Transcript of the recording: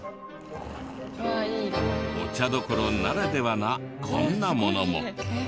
お茶どころならではなこんなものも。